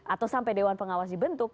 atau sampai dewan pengawas dibentuk